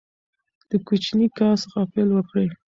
د کوچني کار څخه پیل وکړئ.